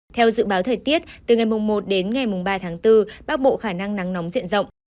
theo dự báo thời tiết từ ngày một đến ngày ba tháng bốn bắc bộ khả năng nắng nóng diện rộng